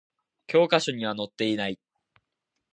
教科書には載っていない